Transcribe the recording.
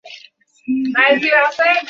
মহাবিশ্ব আমাকে শুনতে চায়।